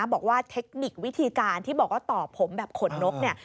บอกว่าเทคนิควิธีการที่บอกว่าต่อผมแบบขนนกเนี่ย